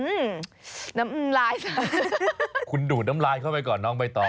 อืมน้ำอืมลายคุณดูดน้ำลายเข้าไปก่อนน้องไปต่อ